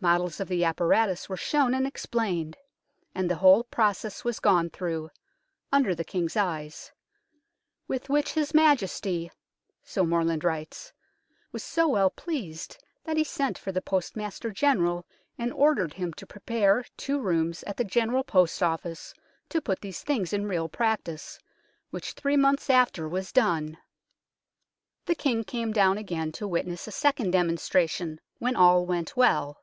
Models of the apparatus were shown and ex plained, and the whole process was gone through under the King's eyes, " with which his Majesty " so Morland writes " was so well pleased that he sent for the Postmaster General, and ordered him to prepare two rooms at the General Post Office to put these things in real practice, which three months after was done." A LOST INVENTION 209 The King came down again to witness a second demonstration, when all went well.